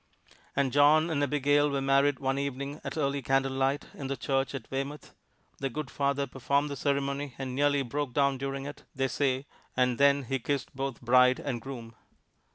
And John and Abigail were married one evening at early candlelight, in the church at Weymouth. The good father performed the ceremony, and nearly broke down during it, they say, and then he kissed both bride and groom.